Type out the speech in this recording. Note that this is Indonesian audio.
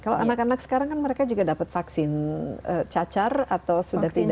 kalau anak anak sekarang kan mereka juga dapat vaksin cacar atau sudah tidak